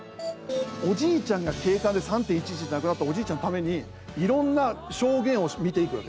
おじいちゃんが警官で３・１１で亡くなったおじいちゃんのためにいろんな証言を見ていくわけ。